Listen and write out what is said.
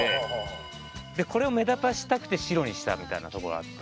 これを目立たせたくて白にしたみたいなとこがあって。